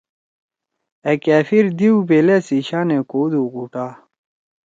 أ کأفِر دیؤ بیلأ سی شانے کودُو غوٹا